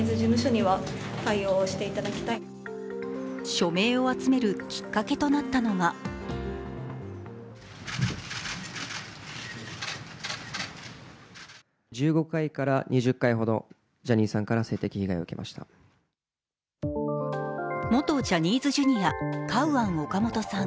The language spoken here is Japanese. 署名を集めるきっかけとなったのが元ジャニーズＪｒ．カウアン・オカモトさん。